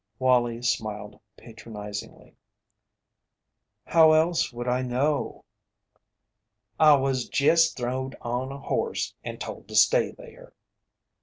Wallie smiled patronizingly: "How else would I know?" "I was jest throwed on a horse and told to stay there."